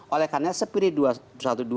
oleh karena spiri dua ratus dua belas